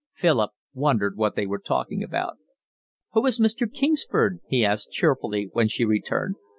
Philip wondered what they were talking about. "Who is Mr. Kingsford?" he asked cheerfully, when she returned.